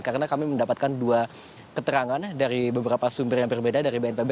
karena kami mendapatkan dua keterangan dari beberapa sumber yang berbeda dari bnpb